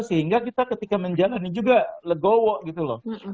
sehingga kita ketika menjalani juga legowo gitu loh